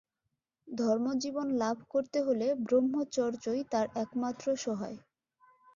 ধর্মজীবন লাভ করতে হলে ব্রহ্মচর্যই তার একমাত্র সহায়।